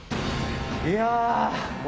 いや！